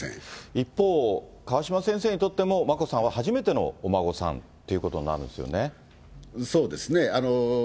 一方、川嶋先生にとっても、眞子さんは初めてのお孫さんといそうですね。